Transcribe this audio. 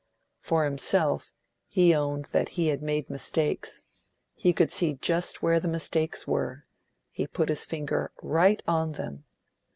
For himself, he owned that he had made mistakes; he could see just where the mistakes were put his finger right on them.